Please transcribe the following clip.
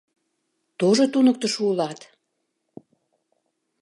— Тожо туныктышо улат!